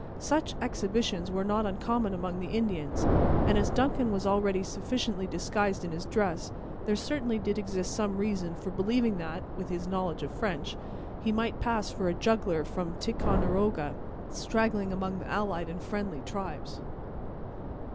Such exhibitions were not uncommon among the Indians, and as Duncan was already sufficiently disguised in his dress, there certainly did exist some reason for believing that, with his knowledge of French, he might pass for a juggler from Ticonderoga, straggling among the allied and friendly tribes.